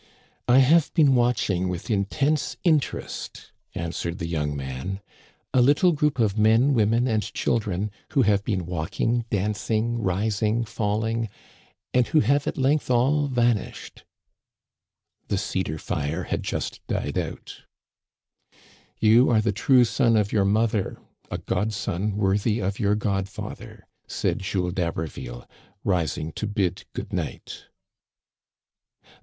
" I have been watching with intense interest," an swered the young man, a little group of men, women, Digitized by VjOOQIC CONCLUSION. 287 and children who have been walking, dancing, rising, falling, and who have at length all vanished." The cedar fire had just died out. "You are the true son of your mother, a godson worthy of your godfather," said Jules d'Haberville, ris ing to bid good ni^^ht.